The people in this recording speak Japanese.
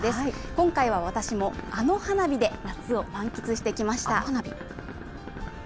今回は私も、あの花火で夏を満喫してきました。